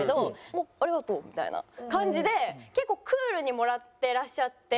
もう「ありがとう」みたいな感じで結構クールにもらってらっしゃって。